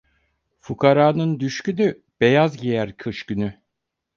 Fukaranın düşkünü, beyaz giyer kış günü.